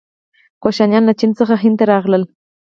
کوشانیان له چین څخه هند ته راغلل.